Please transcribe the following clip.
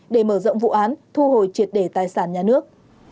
để mở rộng vụ án thu hồi triệt đề tài sản nhà nước